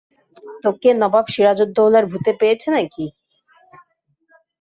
তোকে নবাব সিরাজউদ্দৌলার ভূতে পেয়েছে নাকি?